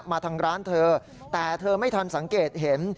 มาทางร้านเธอแต่เธอไม่ทันสังเกตเห็น